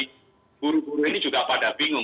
guru guru ini juga pada bingung